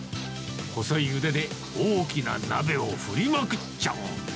細い腕で、大きな鍋を振りまくっちゃう。